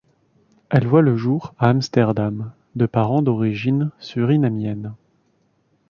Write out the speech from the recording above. Elle voit le jour à Amsterdam de parents d'origine surinamienne.